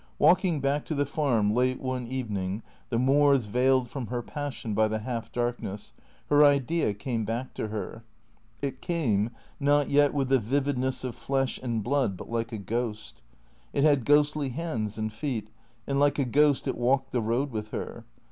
Walking back to the farm late one evening, the moors veiled from her passion by the half darkness, her Idea came back to her. It came, not yet with the vividness of flesh and blood, but like a ghost. It had ghostly hands and feet, and like a ghost it walked the road with her.